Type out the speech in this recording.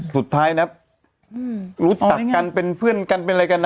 สุดท้ายนะรู้จักกันเป็นเพื่อนกันเป็นอะไรกันนะ